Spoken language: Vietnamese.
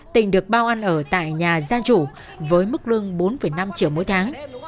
tỉnh được bao bắt ở tại nhà gia chủ với mức lương bốn năm triệu mỗi tháng